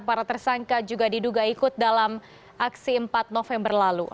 para tersangka juga diduga ikut dalam aksi empat november lalu